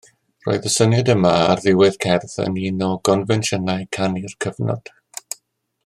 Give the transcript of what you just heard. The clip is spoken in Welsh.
Roedd y syniad yma ar ddiwedd cerdd yn un o gonfensiynau canu'r cyfnod.